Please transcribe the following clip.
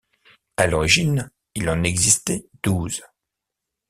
À l'origine, il en existait douze.